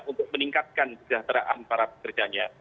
untuk meningkatkan kesejahteraan para pekerjanya